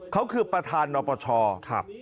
เขาคือประธานนปชครับ